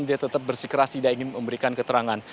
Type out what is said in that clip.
dan dia tetap bersikeras tidak ingin memberikan keterangan